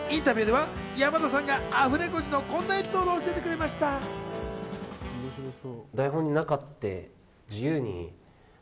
インタビューでは山田さんがアフレコ時のこんなエピソードを教え面白そう。